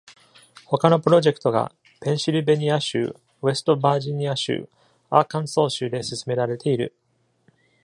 他のプロジェクトがペンシルベニア州、ウェストバージニア州、アーカンソー州で進められている。